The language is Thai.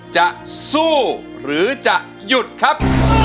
จะสู้หรือจะหยุดครับ